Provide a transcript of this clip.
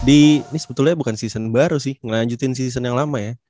ini sebetulnya bukan season baru sih ngelanjutin season yang lama ya